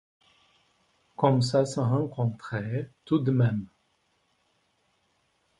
Comme ça se rencontrait, tout de même !